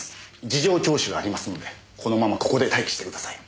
事情聴取がありますのでこのままここで待機してください。